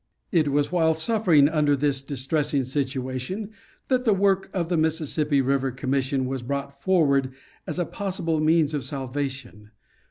It was while suffering under this distressing situation that the work of the Mississippi River Commission was brought forward as a possible means of salvation.